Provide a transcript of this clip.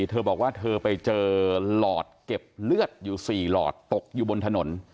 เธอบอกว่าเธอไปเจอหลอดเก็บเลือดอยู่๔หลอดตกอยู่บนถนน